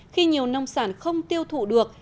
khi nhiều nông sản không tiêu thụ được